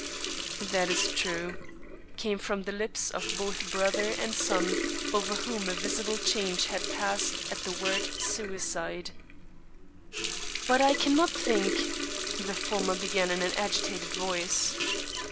"That is true," came from the lips of both brother and son, over whom a visible change had passed at the word "suicide." "But I cannot think " the former began in an agitated voice.